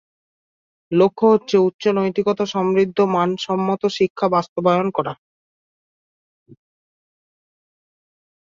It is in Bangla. লক্ষ্য হচ্ছে-উচ্চ নৈতিকতা সমৃদ্ধ মানসম্মত শিক্ষা বাস্তবায়ন করা।